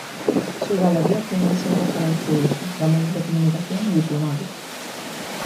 Sus galerías tienen asientos para el público, los medio de comunicación y diplomáticos.